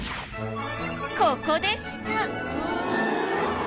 ここでした！